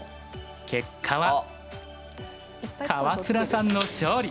結果は川面さんの勝利！